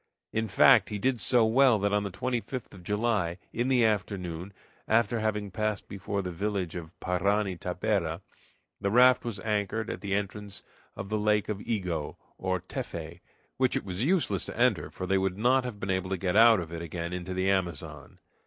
In fact, he did so well that on the 25th of July, in the afternoon, after having passed before the village of Parani Tapera, the raft was anchored at the entrance of the Lake of Ego, or Teffe, which it was useless to enter, for they would not have been able to get out of it again into the Amazon.